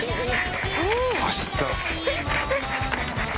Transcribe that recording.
走った！